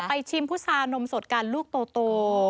ไปชิมพุทธศาลนมสดกันลูกโต